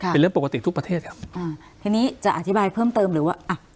เป็นเรื่องปกติทุกประเทศอ่ะอ่าทีนี้จะอธิบายเพิ่มเติมหรือว่าอ่ะ